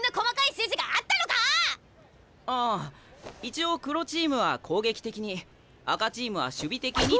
ああ一応黒チームは攻撃的に赤チームは守備的に。